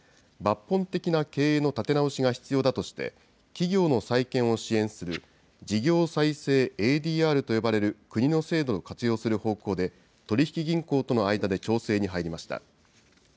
抜本的な経営の立て直しが必要だとして、企業の再建を支援する事業再生ＡＤＲと呼ばれる国の制度を活用する方向で、取引銀行との間で調整に入りました。